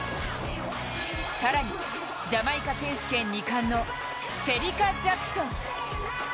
更にジャマイカ選手権２冠のシェリカ・ジャクソン。